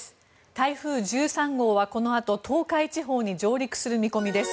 台風１３号はこのあと東海地方に上陸する見込みです。